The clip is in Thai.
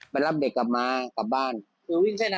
ไปรับเด็กกลับมากลับบ้าน